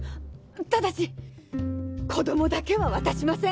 ただし子供だけは渡しません！